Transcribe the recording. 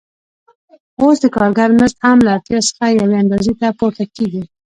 اوس د کارګر مزد هم له اتیا څخه یوې اندازې ته پورته کېږي